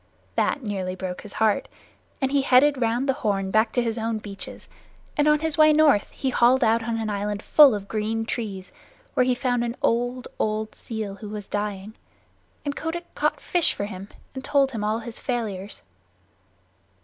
That nearly broke his heart, and he headed round the Horn back to his own beaches; and on his way north he hauled out on an island full of green trees, where he found an old, old seal who was dying, and Kotick caught fish for him and told him all his sorrows.